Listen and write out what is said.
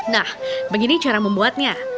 nah begini cara membuatnya